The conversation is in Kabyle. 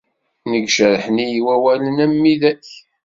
Nekk jerrḥen-iyi wawalen am widak.